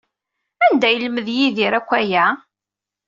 Anda ay yelmed Yidir akk aya?